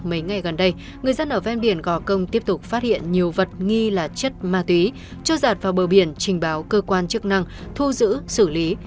mấy ngày gần đây người dân ở ven biển gò công tiếp tục phát hiện nhiều vật nghi là chất ma túy trôi giạt vào bờ biển trình báo cơ quan chức năng thu giữ xử lý